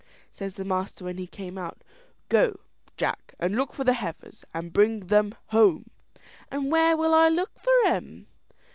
Says the master when he came out, "Go, Jack, and look for the heifers, and bring them home." "And where will I look for 'em?"